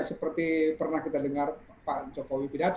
seperti pernah kita dengar pak jokowi pidato